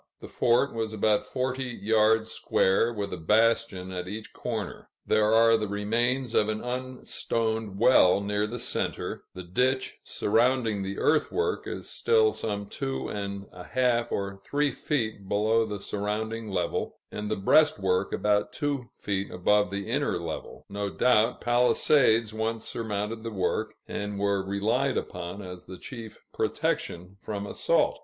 The fort was about forty yards square, with a bastion at each corner; there are the remains of an unstoned well near the center; the ditch surrounding the earthwork is still some two and a half or three feet below the surrounding level, and the breastwork about two feet above the inner level; no doubt, palisades once surmounted the work, and were relied upon as the chief protection from assault.